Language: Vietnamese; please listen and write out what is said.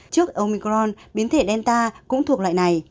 trước omicron biến thể delta cũng thuộc loại này